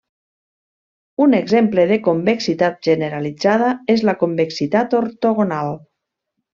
Un exemple de convexitat generalitzada és la convexitat ortogonal.